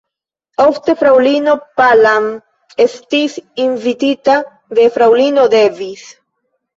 Ofte fraŭlino Palam estis invitita de fraŭlino Davis.